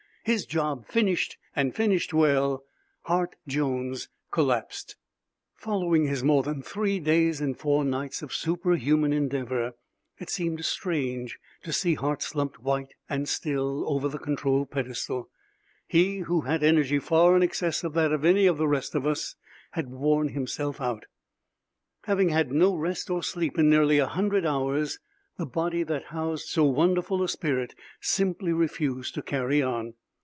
His job finished and finished well, Hart Jones collapsed. Following his more than three days and four nights of superhuman endeavor, it seemed strange to see Hart slumped white and still over the control pedestal. He who had energy far in excess of that of any of the rest of us had worn himself out. Having had no rest or sleep in nearly a hundred hours, the body that housed so wonderful a spirit simply refused to carry on.